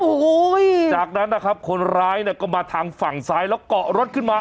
โอ้โหจากนั้นนะครับคนร้ายเนี่ยก็มาทางฝั่งซ้ายแล้วเกาะรถขึ้นมา